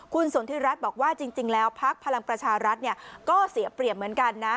คุณสนทิรัฐบอกว่าจริงแล้วพักพลังประชารัฐก็เสียเปรียบเหมือนกันนะ